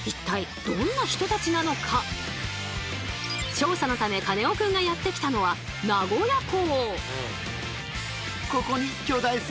調査のためカネオくんがやって来たのは名古屋港。